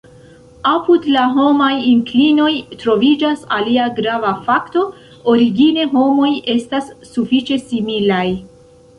Apud la homaj inklinoj troviĝas alia grava fakto: origine, homoj estas sufiĉe similaj.